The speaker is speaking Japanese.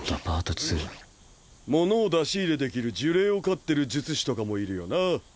物を出し入れできる呪霊を飼ってる術師とかもいるよな。